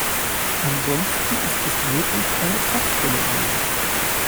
Ansonsten ist es wirklich eine prachtvolle Orgel.